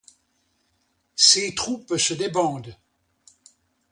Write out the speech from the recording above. Ses troupes se débandent.